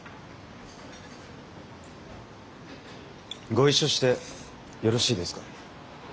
ご一緒してよろしいですか？